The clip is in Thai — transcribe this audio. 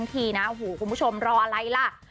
ทั้งทีนะว่าคุณผู้ชมรออะไรละ